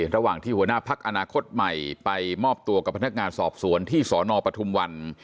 ระหว่างที่หัวหน้าพักอนาคตใหม่ไปมอบตัวกับพนักงานสอบสวนที่สนปทุมวัน